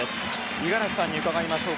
五十嵐さんに伺いましょう。